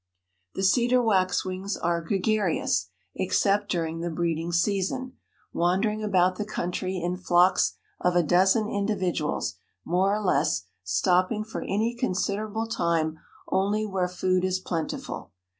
The cedar waxwings are gregarious, except during the breeding season, wandering about the country in flocks of a dozen individuals, more or less, stopping for any considerable time only where food is plentiful.